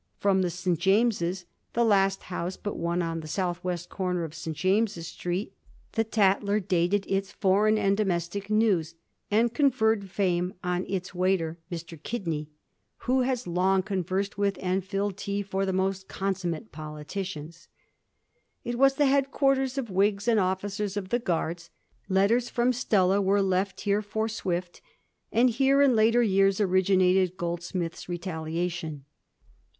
From the *St. James's,' the last house but one on the south west comer of St. James's Street, the * Tatler ' •dated its foreign and domestic news, and conferred fiaune on its waiter, Mr. Badney, * who has long con versed with and filled tea for the most consummate politicians.' It was the head quarters of Whigs and officers of the Guards ; letters fi:om Stella were left here for Swift, and here in later years originated Ooldsmith's ' Ketaliation.'